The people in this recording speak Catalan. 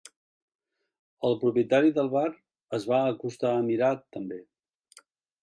El propietari del bar es va acostar a mirar, també.